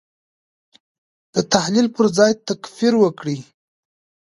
د تحلیل پر ځای تکفیر وکړي.